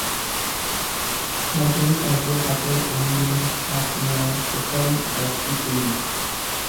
সরকারি কাজে হাতের আঙুলের ছাপ নেওয়ার প্রথম ব্যক্তি তিনি।